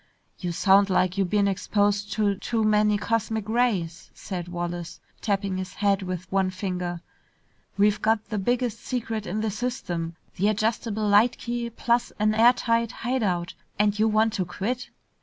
"You sound like you been exposed to too many cosmic rays!" said Wallace, tapping his head with one finger. "We've got the biggest secret in the system, the adjustable light key plus an airtight hide out, and you want to quit!"